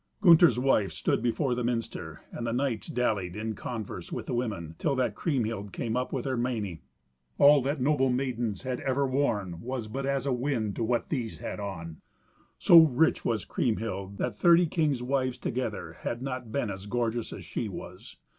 Gunther's wife stood before the minster, and the knights dallied in converse with the women, till that Kriemhild came up with her meiny. All that noble maidens had ever worn was but as a wind to what these had on. So rich was Kriemhild that thirty king's wives together had not been as gorgeous as she was.